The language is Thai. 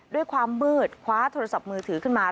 ด้วยความมืดคว้าโทรศัพท์มือถือขึ้นมา